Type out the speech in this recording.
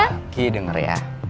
pak ki denger ya